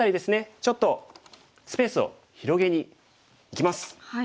ちょっとスペースを広げにいきます。